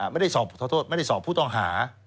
ไม่ได้สอบผู้ต้องหา